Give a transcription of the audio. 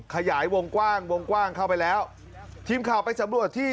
ขยายวงกว้างวงกว้างเข้าไปแล้วทีมข่าวไปสำรวจที่